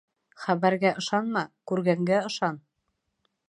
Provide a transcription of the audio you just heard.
Хәбәргә ышанма, күргәнгә ышан.